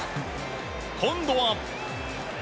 今度は。